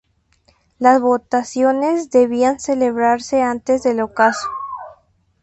Las votaciones debían celebrarse antes del ocaso.